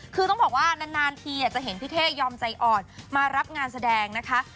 คือต้องบอกว่านานทีจะเห็นพี่เท่ยอมใจอ่อนมารับงานแสดงนะคะ